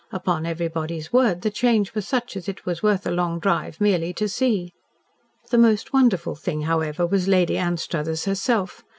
Upon everybody's word, the change was such as it was worth a long drive merely to see! The most wonderful thing, however, was Lady Anstruthers herself.